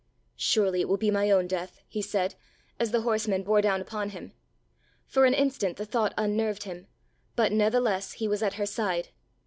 "Surely it will be my own death," he said, as the horsemen bore down upon him. For an instant the thought unnerved him, but natheless he was at her side.